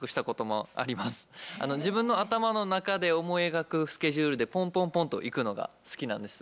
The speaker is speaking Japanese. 自分の頭の中で思い描くスケジュールでポンポンポンといくのが好きなんです。